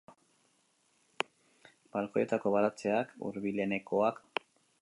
Balkoietako baratzeak hurbilenekoak dira, eta hori abantaila da.